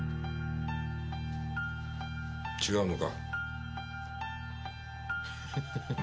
違うのか？